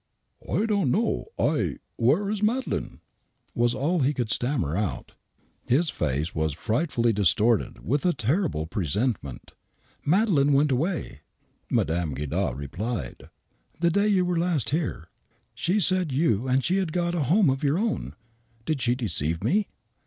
" I don't know — I — where is Madeleine ?" was all he could stammer out. His face was frightfully distorted with a terrible presentiment " Madeleine went away," Mme. Guidard replied, " the day you were last here. She said you and she had got a home of your own. Did she deceive me